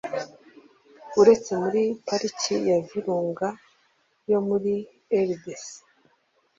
uretse muri Pariki ya Virunga yo muri RDC